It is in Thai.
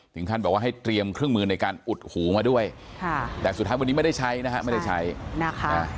ท่านบอกว่าให้เตรียมเครื่องมือในการอุดหูมาด้วยค่ะแต่สุดท้ายวันนี้ไม่ได้ใช้นะฮะไม่ได้ใช้นะคะ